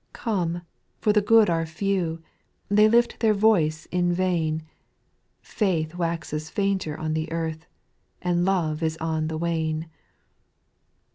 4. Come, for the good are few ; They lift their voice in vain ; Faith waxes fainter on the earth. And love is on the wane.